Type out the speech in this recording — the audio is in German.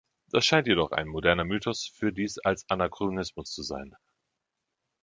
Das scheint jedoch ein moderner Mythos für dies als Anachronismus zu sein.